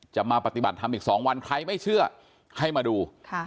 จะมาปฏิบัติธรรมอีก๒วันใครไม่เชื่อให้มาดู